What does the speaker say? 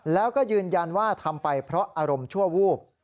แล้วก็ยืนยันว่าทำไปเพราะอารมณ์ชั่ววูบ